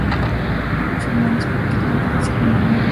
Hay musulmanes practicantes, así como hindúes.